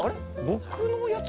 僕のやつ